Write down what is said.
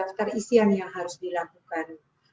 daftar isian yang harus dilakukan